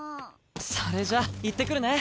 それじゃ行ってくるね。